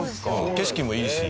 景色もいいし。